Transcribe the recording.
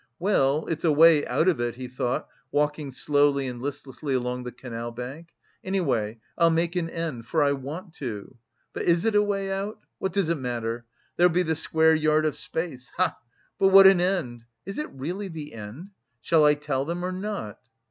"Well, it's a way out of it," he thought, walking slowly and listlessly along the canal bank. "Anyway I'll make an end, for I want to.... But is it a way out? What does it matter! There'll be the square yard of space ha! But what an end! Is it really the end? Shall I tell them or not?